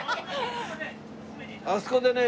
あそこでね